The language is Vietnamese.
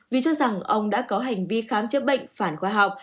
vì cho rằng ông đã có hành vi khám chữa bệnh phản khoa học